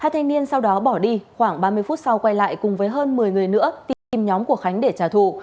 hai thanh niên sau đó bỏ đi khoảng ba mươi phút sau quay lại cùng với hơn một mươi người nữa tìm nhóm của khánh để trả thù